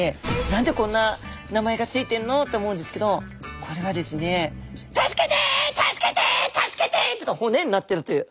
「何でこんな名前が付いてんの？」って思うんですけどこれはですね「助けて助けて助けて」っていうと骨になってるという。